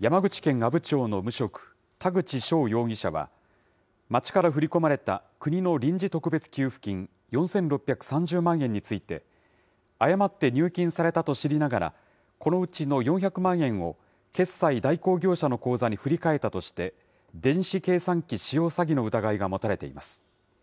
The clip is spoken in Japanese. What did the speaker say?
山口県阿武町の無職、田口翔容疑者は、町から振り込まれた国の臨時特別給付金、４６３０万円について、誤って入金されたと知りながら、このうちの４００万円を決済代行業者の口座に振り替えたとして、電子計算機使用詐欺の疑いが持たれています。